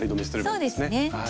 そうですね。